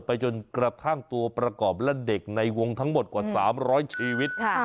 ไปจนกระทั่งตัวประกอบและเด็กในวงทั้งหมดกว่า๓๐๐ชีวิต